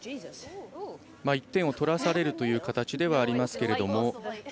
１点を取らされるという形ではありますけども。